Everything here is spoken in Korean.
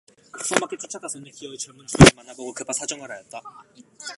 극성맞게 쫓아가서는 기어이 젊은 주인을 만나 보고 급한 사정을 하였다.